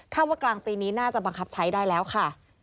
ว่ากลางปีนี้น่าจะบังคับใช้ได้แล้วค่ะ